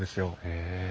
へえ。